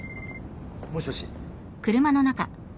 もしもし？